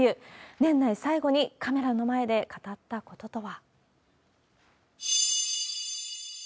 年内最後にカメラの前で語ったこととは。